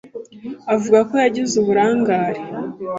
avuga ko yagize uburangare